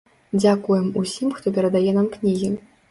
Дзякуем усім хто перадае нам кнігі!